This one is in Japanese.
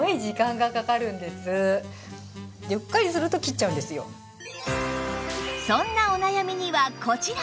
そんなそんなお悩みにはこちら！